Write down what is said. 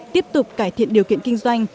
tiếp tục cải thiện điều kiện kinh doanh